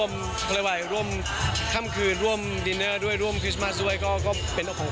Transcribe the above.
มาเขียนชื่อการเอง